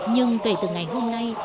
nhưng kể từ ngày hôm nay